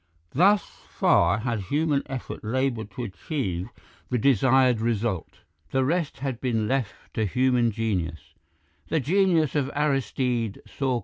Thus far had human effort laboured to achieve the desired result; the rest had been left to human genius—the genius of Aristide Saucourt.